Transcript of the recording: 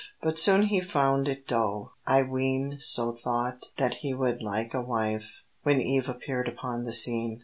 But soon he found it dull, I ween, So thought that he would like a wife, When Eve appeared upon the scene.